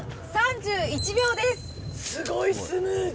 すごいスムーズ。